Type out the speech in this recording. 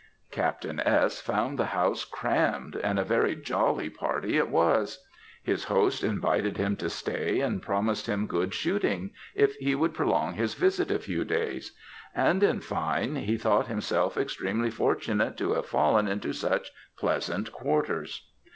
"Captain S. found the house crammed, and a very jolly party it was. His host invited him to stay, and promised him good shooting if he would prolong his visit a few days; and, in fine, he thought himself extremely fortunate to have fallen into such pleasant quarters.